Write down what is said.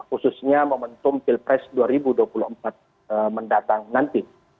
khususnya momentum pilpres dua ribu dua puluh empat mendatang nanti